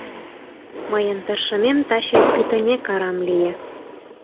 Мыйын тыршымем таче пӱтынек арам лие.